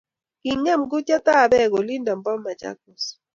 Kingem kutyatab beek olindo bo Machakos